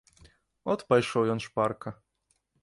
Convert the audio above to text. От пайшоў ён шпарка.